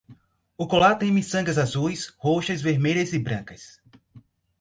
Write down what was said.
O colar tem miçangas azuis, roxas, vermelhas e brancas.